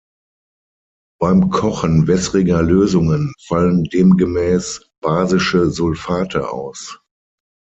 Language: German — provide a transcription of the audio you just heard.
Beim Kochen wässriger Lösungen fallen demgemäß basische Sulfate aus.